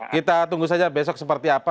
kita tunggu saja besok seperti apa